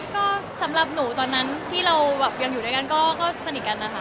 ก็สำหรับหนูตอนนั้นที่เราแบบยังอยู่ด้วยกันก็สนิทกันนะคะ